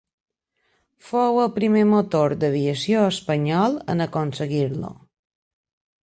Fou el primer motor d'aviació espanyol en aconseguir-lo.